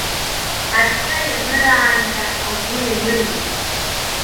Ацәа ианыраанӡа агәы ианыруеит.